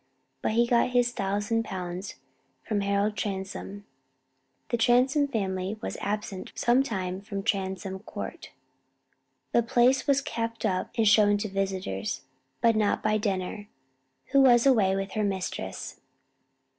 But he got his thousand pounds from Harold Transome. The Transome family were absent some time from Transome Court. The place was kept up and shown to visitors, but not by Denner, who was away with her mistress.